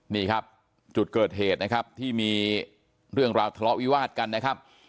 นี่ครับจุดเกิดเหตุนะครับที่มีเรื่องราวทะเลาะวิวาดกันนะครับ